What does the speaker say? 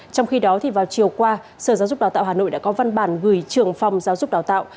trong khi đó vào chiều qua sở giáo dục đào tạo hà nội đã có văn bản gửi trường phòng giáo dục đào tạo